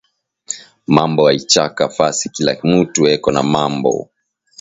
Mambo aichaki fasi kila mutu eko na mambo